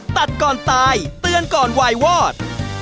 ตัดก่อนตายเตือนก่อนวายวอด